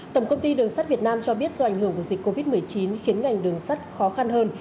tổng công ty đường sắt việt nam cho biết do ảnh hưởng của dịch covid một mươi chín khiến ngành đường sắt khó khăn hơn